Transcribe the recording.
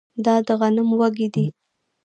دا د غنم وږی دی